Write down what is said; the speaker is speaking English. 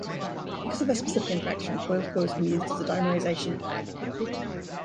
Because of their specific interaction coiled coils can be used as a dimerization "tag".